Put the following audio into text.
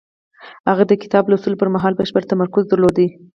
هغه د کتاب لوستلو پر مهال بشپړ تمرکز درلود.